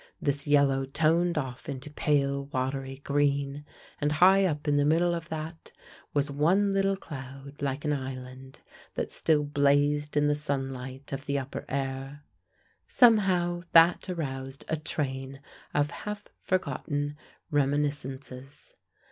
This yellow toned off into pale watery green, and high up in the middle of that was one little cloud like an island that still blazed in the sunlight of the upper air. Somehow that aroused a train of half forgotten reminiscences.